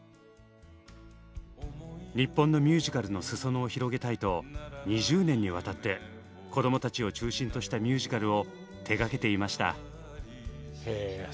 日本のミュージカルのすそ野を広げたいと２０年にわたって子どもたちを中心としたミュージカルを手がけていました。